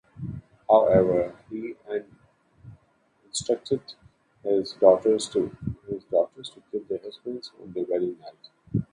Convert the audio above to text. However, he instructed his daughters to kill their husbands on their wedding night.